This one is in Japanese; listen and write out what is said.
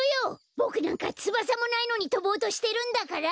ボクなんかつばさもないのにとぼうとしてるんだから！